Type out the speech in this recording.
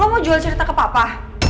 kamu mau jual cerita ke papa